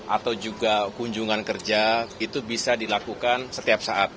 atau juga kunjungan kerja itu bisa dilakukan setiap saat